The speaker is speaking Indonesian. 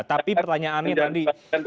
tapi pertanyaannya tadi